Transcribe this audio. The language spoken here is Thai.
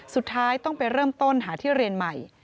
สุดท้ายต้องไปเริ่มต้นหาที่เรียนใหม่